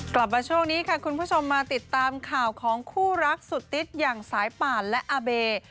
กลับมาช่วงนี้ค่ะคุณผู้ชมมาติดตามข่าวของคู่รักสุดติ๊ดอย่างสายป่านและอาเบ